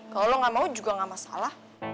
kalau lo gak mau juga gak masalah